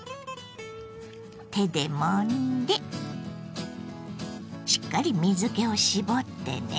手でもんでしっかり水けを絞ってね。